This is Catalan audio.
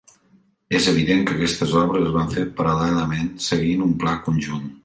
És evident que aquestes obres es van fer paral·lelament, seguint un pla conjunt.